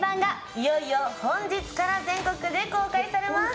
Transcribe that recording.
いよいよ本日から全国で公開されます。